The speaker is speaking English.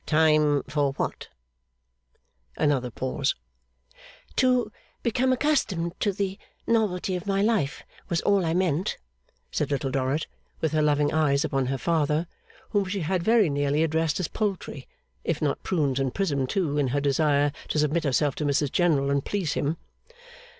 Time for what?' Another pause. 'To become accustomed to the novelty of my life, was all I meant,' said Little Dorrit, with her loving eyes upon her father; whom she had very nearly addressed as poultry, if not prunes and prism too, in her desire to submit herself to Mrs General and please him.